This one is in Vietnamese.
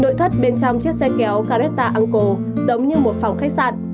nội thất bên trong chiếc xe kéo caretta uncle giống như một phòng khách sạn